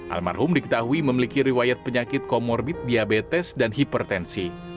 almarhum diketahui memiliki riwayat penyakit komorbit diabetes dan hipertensi